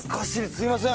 すいません。